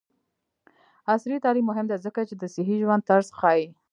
عصري تعلیم مهم دی ځکه چې د صحي ژوند طرز ښيي.